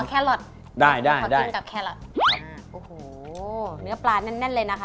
แครอทได้ได้ขอกินกับแครอทโอ้โหเนื้อปลาแน่นแน่นเลยนะคะ